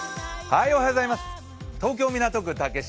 東京・港区竹芝